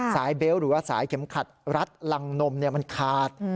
เบลต์หรือว่าสายเข็มขัดรัดรังนมมันขาด